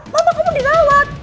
mama kamu digawat